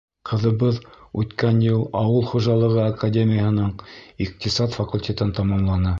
Ҡыҙыбыҙ үткән йыл Ауыл хужалығы академияһының иҡтисад факультетын тамамланы.